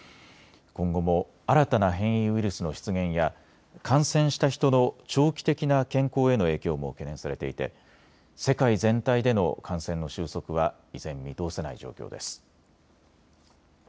今後も新たな変異ウイルスの出現や感染した人の長期的な健康への影響も懸念されていて世界全体での感染の収束は依然、見通せない状況です。